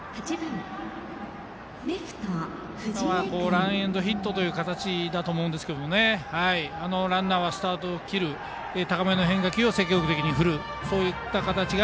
ランエンドヒットという形だと思うんですけどランナーがスタートを切る高めの変化球を積極的に振るという形で。